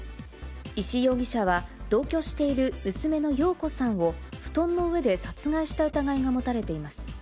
石井容疑者は、同居している娘の庸子さんを布団の上で殺害した疑いが持たれています。